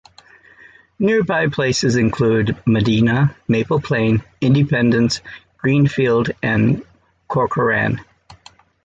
Nearby places include Medina, Maple Plain, Independence, Greenfield, and Corcoran.